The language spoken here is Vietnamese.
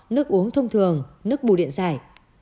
nước uống thông thường nước bù điện dài